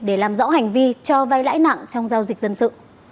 để làm rõ hành vi cho vay lãi nặng trong giao dịch dân sự